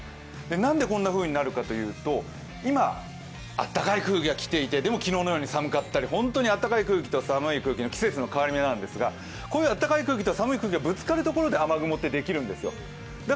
何でこんなふうになるかというと今、あったかい空気がきていてでも昨日のように寒かったりあったかい空気と寒い空気の季節の変わり目なんですが、こういう温かい空気と冷たい空気がぶつかる所で雨雲ってできるんですよ。